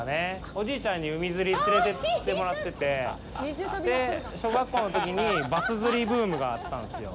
おじいちゃんに海釣りに連れていってもらってて、小学校のときにバス釣りブームがあったんですよ。